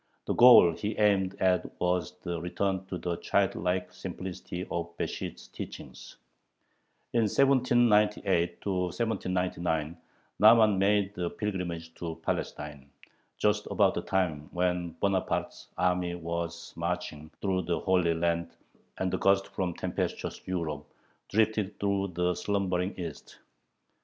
The goal he aimed at was the return to the childlike simplicity of Besht's teachings. In 1798 1799 Nahman made a pilgrimage to Palestine, just about the time when Bonaparte's army was marching through the Holy Land, and a gust from tempestuous Europe drifted through the slumbering East.